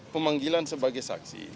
pemanggilan sebagai saksi